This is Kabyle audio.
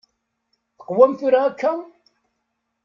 Teqwem tura akka?